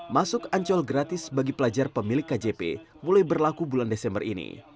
masuk ancol gratis bagi pelajar pemilik kjp mulai berlaku bulan desember ini